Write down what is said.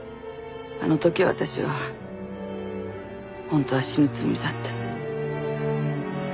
あの時私は本当は死ぬつもりだった。